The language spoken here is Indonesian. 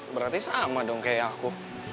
berarti sama dong kayak aku